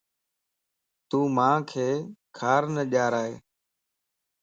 تون مانک کار نه ڄارائي